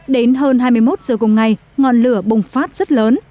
đến hơn hai mươi một giờ cùng ngày ngọn lửa bùng phát rất lớn